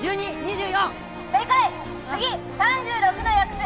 次３６の約数